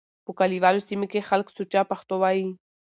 په کليوالو سيمو کې خلک سوچه پښتو وايي.